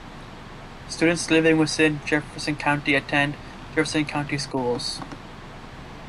Students living within Jefferson County attend Jefferson County schools.